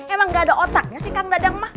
emang gak ada otaknya sih kang dadang mah